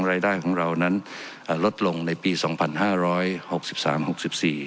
รายได้ของเรานั้นอ่าลดลงในปีสองพันห้าร้อยหกสิบสามหกสิบสี่